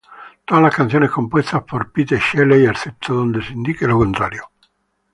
Todas las canciones compuestas por Pete Shelley, excepto donde se indique lo contrario.